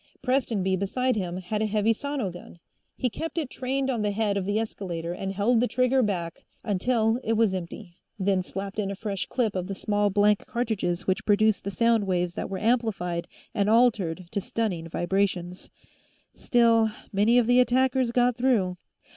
Prestonby, beside him, had a heavy sono gun; he kept it trained on the head of the escalator and held the trigger back until it was empty, then slapped in a fresh clip of the small blank cartridges which produced the sound waves that were amplified and altered to stunning vibrations. Still, many of the attackers got through.